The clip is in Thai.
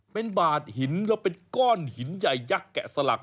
เป็นบาดหินแล้วเป็นก้อนหินใหญ่ยักษ์แกะสลัก